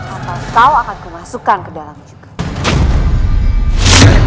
apa kau akan kumasukkan ke dalam juga